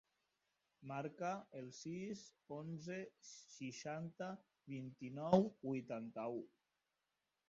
Marca el sis, onze, seixanta, vint-i-nou, vuitanta-u.